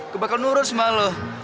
gua bakal nurut sama lo